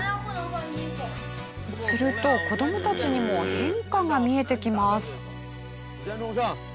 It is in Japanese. すると子どもたちにも変化が見えてきます。